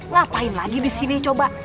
ngapain lagi di sini coba